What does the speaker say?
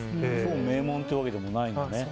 名門というわけでもないんだね。